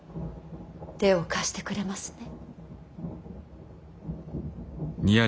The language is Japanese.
手を貸してくれますね。